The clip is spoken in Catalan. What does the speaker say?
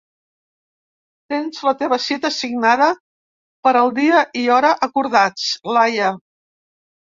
Tens la teva cita assignada per al dia i hora acordats, Laia.